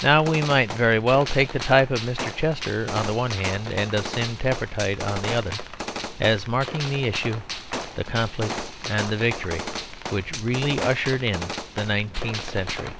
Now we might very well take the type of Mr. Chester on the one hand, and of Sim Tappertit on the other, as marking the issue, the conflict, and the victory which really ushered in the nineteenth century.